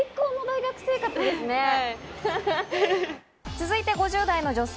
続いて５０代の女性。